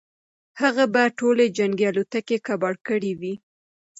هغه به ټولې جنګي الوتکې کباړ کړې وي.